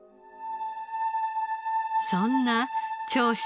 そんな長州